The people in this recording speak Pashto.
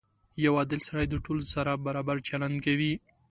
• یو عادل سړی د ټولو سره برابر چلند کوي.